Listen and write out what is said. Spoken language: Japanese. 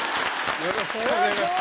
よろしくお願いします